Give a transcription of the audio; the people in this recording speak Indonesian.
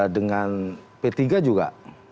dengan p tiga juga